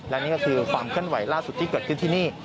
และนี่ก็คือความเคลื่อนไหวล่าสุดที่เกิดขึ้นที่นี่